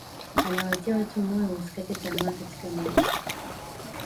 anawatia watu moyo wasikate tamaa katika maisha